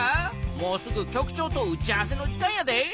もうすぐ局長と打ち合わせの時間やで。